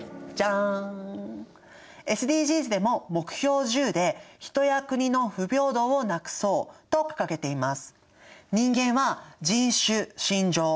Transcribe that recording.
ＳＤＧｓでも目標１０で「人や国の不平等をなくそう」と掲げています。